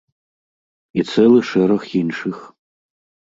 І цэлы шэраг іншых.